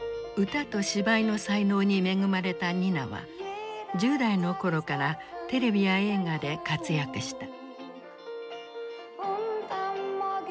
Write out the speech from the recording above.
歌と芝居の才能に恵まれたニナは１０代の頃からテレビや映画で活躍した。